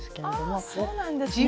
ああそうなんですね。